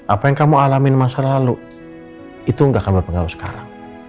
apa yang kamu alamin masa lalu itu gak akan berpengaruh sekarang